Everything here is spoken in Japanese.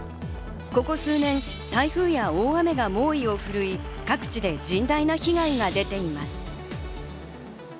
ここ数年、台風や大雨が猛威をふるい各地で甚大な被害が出ています。